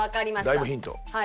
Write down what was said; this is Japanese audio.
だいぶヒント。